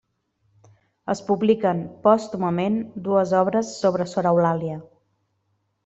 Es publiquen pòstumament dues obres sobre sor Eulàlia.